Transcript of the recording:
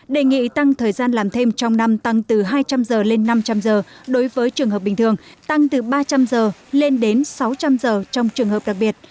đề nghị tăng thời gian làm thêm trong năm tăng từ hai trăm linh giờ lên năm trăm linh giờ đối với trường hợp bình thường tăng từ ba trăm linh giờ lên đến sáu trăm linh giờ trong trường hợp đặc biệt